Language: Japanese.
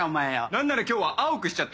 何なら今日は青くしちゃってもいいぞ。